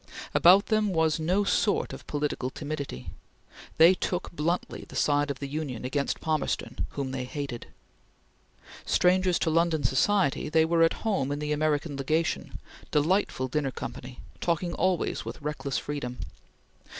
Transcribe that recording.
About them was no sort of political timidity. They took bluntly the side of the Union against Palmerston whom they hated. Strangers to London society, they were at home in the American Legation, delightful dinner company, talking always with reckless freedom.